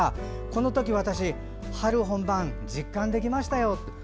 このとき春本番を実感できました。